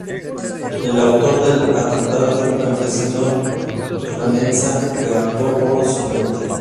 El autor del atentado fue un campesino remensa que actuó por su cuenta.